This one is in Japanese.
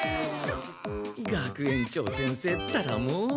学園長先生ったらもう。